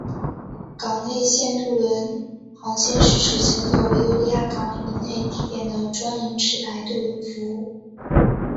港内线渡轮航线是指行走维多利亚港以内地点的专营持牌渡轮服务。